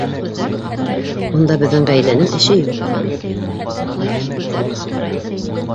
Унда беҙҙең ғаиләнең эше юҡ!